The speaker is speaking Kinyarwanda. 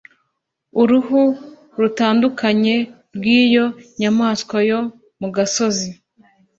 Uruhu rutandukanye rw'iyo nyamaswa yo mu gasozi